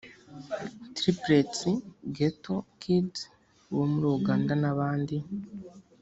Triplets Ghetto Kids bo muri Uganda n’abandi